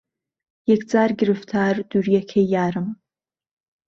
یهکجار گرفتار دوورییهکهی یارم